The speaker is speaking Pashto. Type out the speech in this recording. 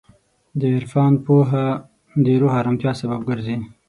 د عرفان پوهه د روح ارامتیا سبب ګرځي.